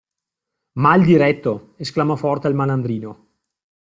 Mal diretto! Esclamò forte il malandrino.